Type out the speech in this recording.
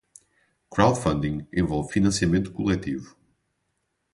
Crowdfunding envolve financiamento coletivo.